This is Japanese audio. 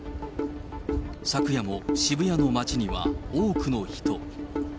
昨夜も渋谷の街には多くの人。